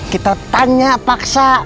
kita tanya paksa